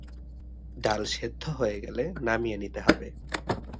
ডাল সেদ্ধ হয়ে গেলে নামিয়ে নিতে হবে।